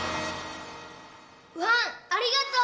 ワンありがとう！